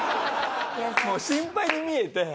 もう心配に見えて。